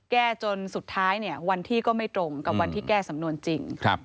แก้จนสุดท้ายเนี่ยวันที่ก็ไม่ตรงกับวันที่แก้สำนวนจริง